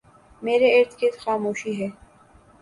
میرے اردگرد خاموشی ہے ۔